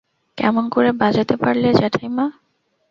কেমন করে বাজাতে পারলে জ্যাঠাইমা?